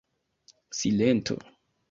Silento.